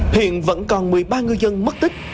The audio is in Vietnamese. hiện vẫn còn một mươi ba ngư dân mất tích